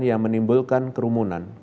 yang menimbulkan kerumunan